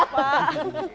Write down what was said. enggak atu pak